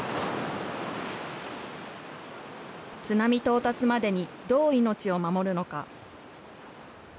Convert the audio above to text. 津波到達までにどう命を守るのか。